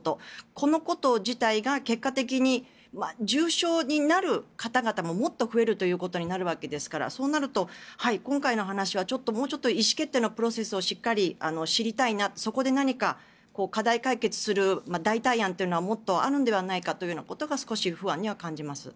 このこと自体が結果的に重症になる方々ももっと増えるということになるわけですからそうなると今回の話はもうちょっと意思決定のプロセスをしっかり知りたいなとそこで何か課題解決する代替案はもっとあるのではないかと少し不安には感じます。